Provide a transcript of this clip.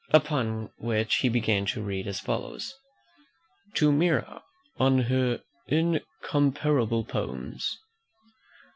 Upon which he began to read as follows: "TO MIRA, ON HER INCOMPARABLE POEMS.